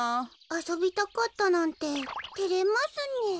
あそびたかったなんててれますねえ。